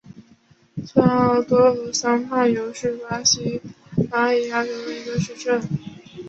特奥多鲁桑帕尤是巴西巴伊亚州的一个市镇。